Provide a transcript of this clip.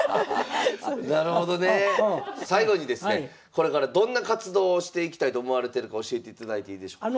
これからどんな活動をしていきたいと思われてるか教えていただいていいでしょうか？